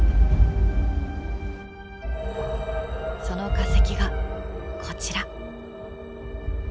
その化石がこちら。